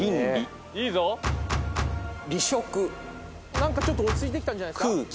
何かちょっと落ち着いてきたんじゃないですか。